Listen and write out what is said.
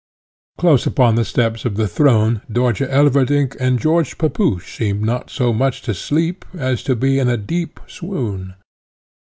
Close upon the steps of the throne Dörtje Elverdink and George Pepusch seemed not so much to sleep as to be in a deep swoon.